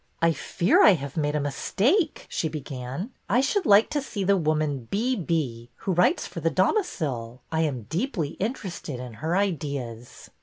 I fear I have made a mistake," she began. I should like to see the woman ' B. B.' who writes for The Domicile. I am deeply interested in her ideas."